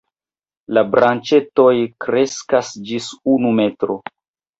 La branĉetoj kreskas ĝis unu metro.